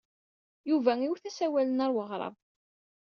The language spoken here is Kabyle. Yuba iwet asawal-nni ɣer uɣrab.